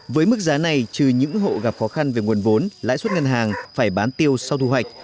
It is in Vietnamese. với mức giá này trừ những hộ gặp khó khăn về nguồn vốn lãi suất ngân hàng phải bán tiêu sau thu hoạch